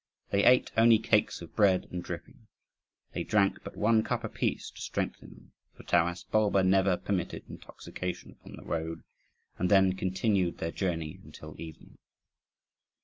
They ate only cakes of bread and dripping; they drank but one cup apiece to strengthen them, for Taras Bulba never permitted intoxication upon the road, and then continued their journey until evening.